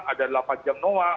ada delapan jam noah